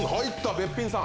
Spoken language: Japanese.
『べっぴんさん』。